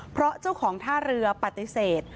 เพราะเจ้าของท่าเรือปฏิเสธ